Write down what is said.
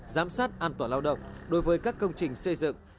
giám sát an toàn lao động đối với các công trình xây dựng